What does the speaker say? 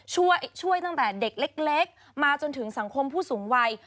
ช่วยตั้งแต่เด็กเล็กมาจนถึงสังคมผู้สูงวัย